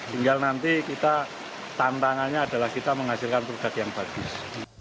tinggal nanti kita tantangannya adalah kita menghasilkan produk yang bagus